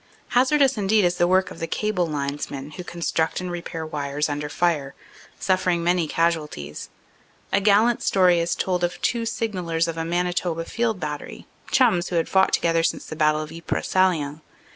Hazardous indeed is the work of the cable linesmen who construct and repair wires under fire, suffering many casual ties. A gallant story is told of two signallers of a Manitoba field battery, chums who had fought together since the battle of the Ypres Salient.